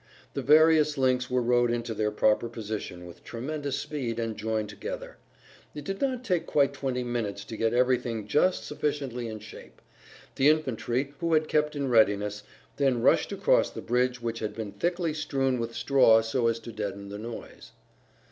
The various links were rowed into their proper position with tremendous speed, and joined together. It did not take quite twenty minutes to get everything just sufficiently in shape. The infantry, who had kept in readiness, then rushed across the bridge which had been thickly strewn with straw so as to deaden the noise.